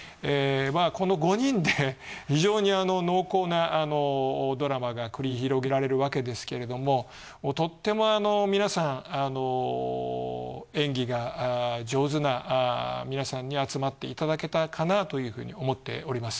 この５人で非常に濃厚なドラマが繰り広げられるわけですけれどもとっても皆さん演技が上手な皆さんに集まっていただけたかなというふうに思っております。